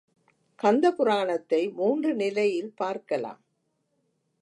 கந்தபுராணத்தை மூன்று நிலையில் பார்க்கலாம்.